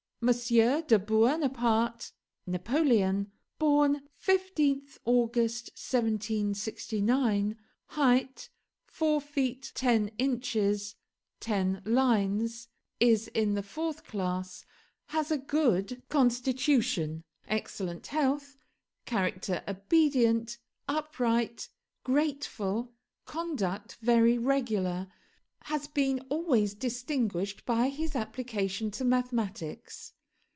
de Buonaparte (Napoleon), born 15th August 1769, height 4 feet 10 inches 10 lines, is in the fourth class, has a good constitution, excellent health, character obedient, upright, grateful, conduct very regular; has been always distinguished by his application to mathematics.